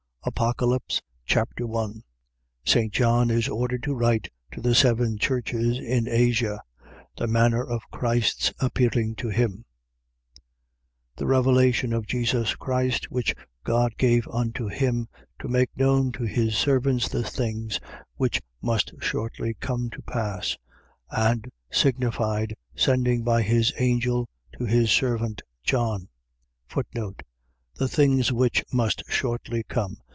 Apocalypse Chapter 1 St. John is ordered to write to the seven churches in Asia. The manner of Christ's appearing to him. 1:1. The Revelation of Jesus Christ, which God gave unto him, to make known to his servants the things which must shortly come to pass: and signified, sending by his angel to his servant John, The things which must shortly come